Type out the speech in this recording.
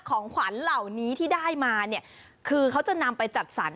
ของขวัญเหล่านี้ที่ได้มาเนี่ยคือเขาจะนำไปจัดสรร